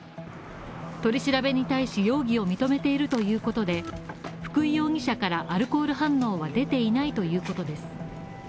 取り調べに対し容疑を認めているということで福井容疑者からアルコール反応は出ていないということです。